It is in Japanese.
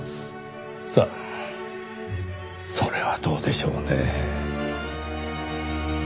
さあそれはどうでしょうねぇ。